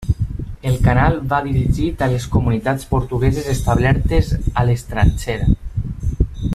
El canal va dirigit a les comunitats portugueses establertes a l'estranger.